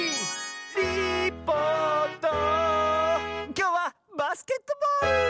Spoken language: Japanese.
きょうは「バスケットボール」！